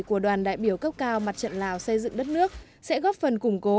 của đoàn đại biểu cấp cao mặt trận lào xây dựng đất nước sẽ góp phần củng cố